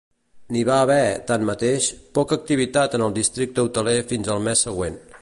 N'hi va haver, tanmateix, poca activitat en el districte hoteler fins al mes següent.